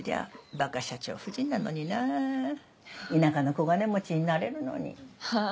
バカ社長夫人なのになあ田舎の小金持ちになれるのにはあ？